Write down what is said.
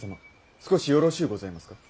少しよろしうございますか？